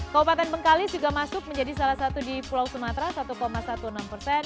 kabupaten bengkalis juga masuk menjadi salah satu di pulau sumatera satu enam belas persen